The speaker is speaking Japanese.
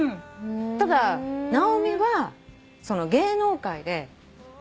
ただ直美は芸能界で。